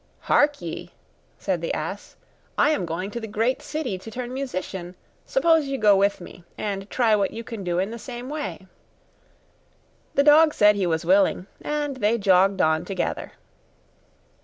'Hark ye!' said the ass, 'I am going to the great city to turn musician: suppose you go with me, and try what you can do in the same way?' The dog said he was willing, and they jogged on together.